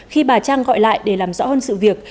khi bà trang gọi lại để làm rõ hơn sự việc